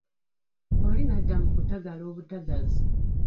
Oli n'adda mu kutagala obutagazi.